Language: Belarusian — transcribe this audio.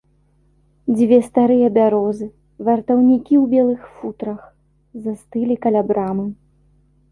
Дзве старыя бярозы, вартаўнікі ў белых футрах, застылі каля брамы.